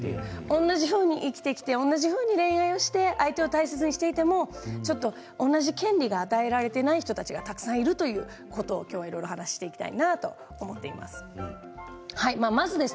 同じふうに生きてきて同じふうに恋愛をして相手を大切にしていても同じ権利が与えられていない人たちがたくさんいるということをきょうはいろいろお話ししていきたいなと思っています。